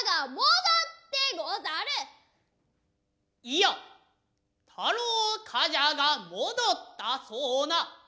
イヤ太郎冠者が戻ったそうな。